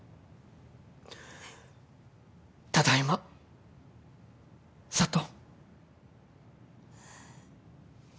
ただいま佐都。